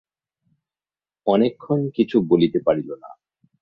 অনেক্ষণ কিছু বলিতে পারিল না।